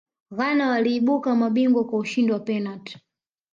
ghana waliibuka mabingwa kwa ushindi kwa penati